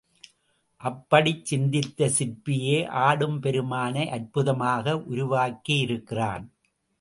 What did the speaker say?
அப்படிச் சிந்தித்த சிற்பியே ஆடும் பெருமானை அற்புதமாக உருவாக்கியிருக்கிறான்.